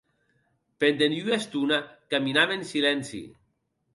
Pendent ua estona caminam en silenci.